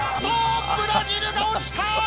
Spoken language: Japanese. ブラジルが落ちた！